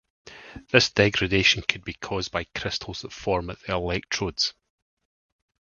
This degradation could be cause by crystals that form at the electrodes.